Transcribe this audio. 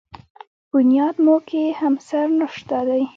بنیاد مو کې همسر نشته دی.